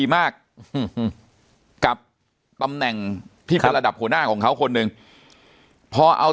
มากกับตำแหน่งที่เป็นระดับหัวหน้าของเขาคนหนึ่งพอเอา